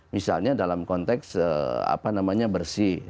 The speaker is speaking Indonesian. misalnya dalam konteks apa namanya bersih